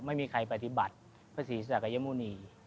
ไม่มีใครปฏิบัติพระศรีศักยมุณี